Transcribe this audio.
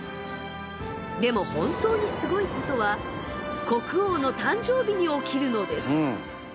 でも本当にすごいことは国王の誕生日に起きるのです。